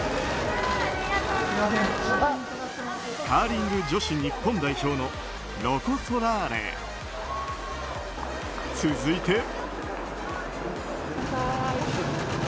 カーリング女子日本代表のロコ・ソラーレ。続いて。